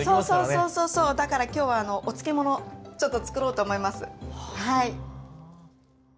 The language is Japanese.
そうそうだから今日はお漬物ちょっとつくろうと思いますはい。